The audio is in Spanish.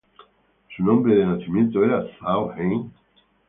Su nombre de nacimiento era Zhao Heng.